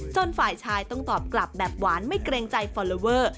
ฝ่ายชายต้องตอบกลับแบบหวานไม่เกรงใจฟอลลอเวอร์